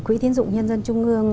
quỹ tiến dụng nhân dân trung ương